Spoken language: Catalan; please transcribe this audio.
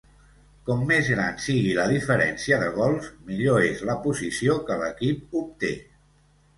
Com més gran sigui la diferència de gols, millor és la posició que l'equip obté.